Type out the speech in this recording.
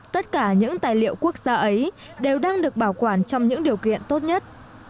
tất cả những tài liệu quốc gia ấy đều đang được bảo quản trong những điều kiện tốt nhất